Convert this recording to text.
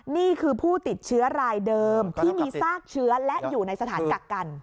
นี่คือผู้ติดเชื้อรายเดิมที่มีซากเชื้อและอยู่ในสถานกักกัน